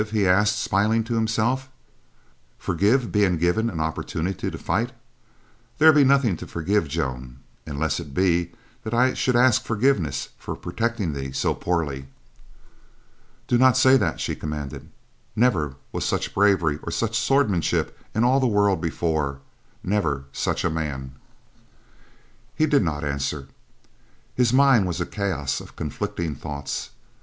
he asked, smiling to himself. "Forgive being given an opportunity to fight? There be nothing to forgive, Joan, unless it be that I should ask forgiveness for protecting thee so poorly." "Do not say that," she commanded. "Never was such bravery or such swordsmanship in all the world before; never such a man." He did not answer. His mind was a chaos of conflicting thoughts.